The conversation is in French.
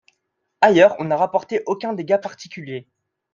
Ailleurs, on n'a rapporté aucun dégât particulier.